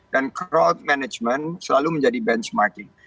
dan crowd management selalu menjadi benchmarking